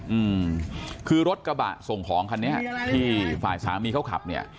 อืมคือรถกระบะส่งของคันนี้ที่ฝ่ายสามีเขาขับเนี่ย